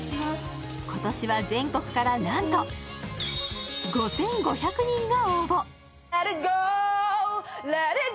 今年は全国からなんと、５５００人が応募。